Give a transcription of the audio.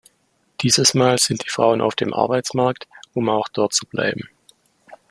Dieses Mal sind die Frauen auf dem Arbeitsmarkt, um auch dort zu bleiben.